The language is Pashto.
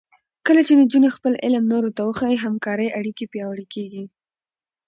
کله چې نجونې خپل علم نورو ته وښيي، همکارۍ اړیکې پیاوړې کېږي.